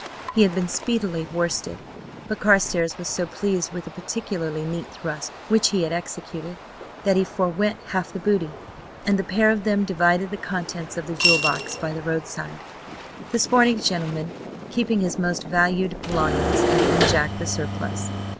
He had been speedily worsted, but Carstares was so pleased with a particularly neat thrust which he had executed, that he forwent half the booty, and the pair of them divided the contents of the jewel box by the roadside, the sporting gentleman keeping his most valued belongings and giving Jack the surplus.